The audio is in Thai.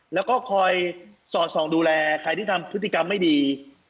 แล้วก็คอยสอดส่องดูแลใครที่ทำพฤติกรรมไม่ดี